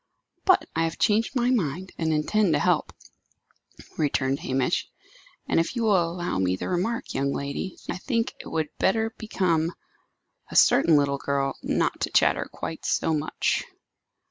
"But I have changed my mind, and intend to help," returned Hamish. "And, if you will allow me the remark, young lady, I think it would better become a certain little girl, not to chatter quite so much!"